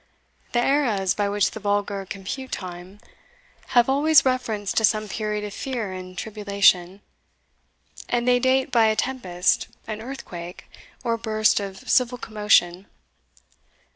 The eras by which the vulgar compute time, have always reference to some period of fear and tribulation, and they date by a tempest, an earthquake, or burst of civil commotion.